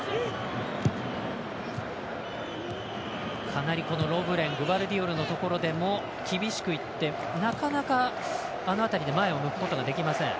かなりロブレングバルディオルのところでも厳しくいって、なかなかあの辺りで前を向くことができません。